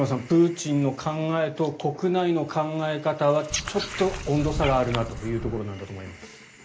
プーチンの考えと国内の考え方はちょっと温度差があるなというところだと思います。